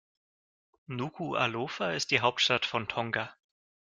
Nukuʻalofa ist die Hauptstadt von Tonga.